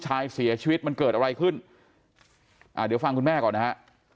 เสียชีวิตมันเกิดอะไรขึ้นอ่าเดี๋ยวฟังคุณแม่ก่อนนะฮะ